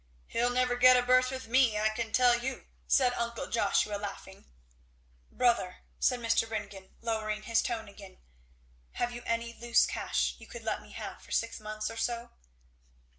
"He'll never get a berth with me, I can tell you," said uncle Joshua laughing. "Brother," said Mr. Ringgan, lowering his tone again, "have you any loose cash you could let me have for six months or so?"